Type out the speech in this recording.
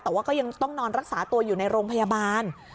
แต่ว่าก็ยังต้องนอนรักษาตัวอยู่ในโรงพยาบาล